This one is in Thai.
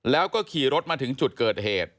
แล้วก็ขี่รถมาถึงจุดเกิดเหตุ